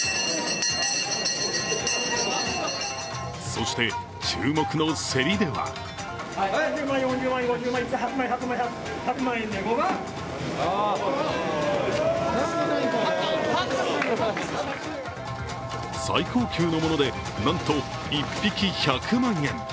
そして注目の競りでは最高級のものでなんと１匹１００万円。